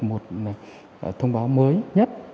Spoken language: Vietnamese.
một thông báo mới nhất